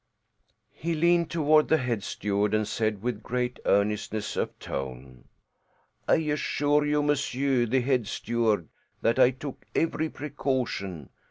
He leaned toward the head steward and said with great earnestness of tone, "I assure you, monsieur the head steward, that I took every precaution.